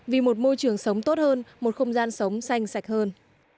vì một môi trường sống tốt hơn một không gian sống xanh sạch hơn